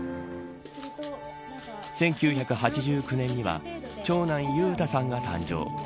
１９８９年には長男、裕太さんが誕生。